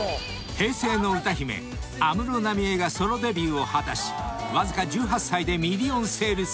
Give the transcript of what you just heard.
［平成の歌姫安室奈美恵がソロデビューを果たしわずか１８歳でミリオンセールスを記録］